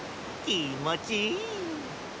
きもちいい。